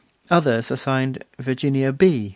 Others are signed 'Virginia B.